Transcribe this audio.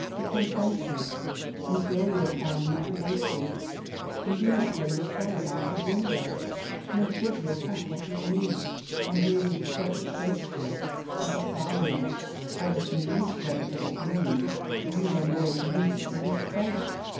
Be contented ; enjoy your fine imagina tion ; and do not throw your salad out of window, nor shove your cat off your knee, on hearing it said that Shakespeare has a finer, or that a minister is of opinion that you know more of music than of state.